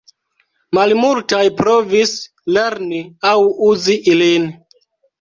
Malmultaj provis lerni aŭ uzi ilin.